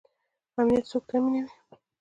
امنیت څوک تامینوي؟